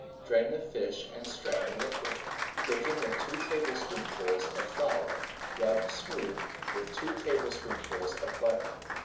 Drain the fish and strain the liquid. Thicken with two tablespoonfuls of flour rubbed smooth with two tablespoonfuls of butter.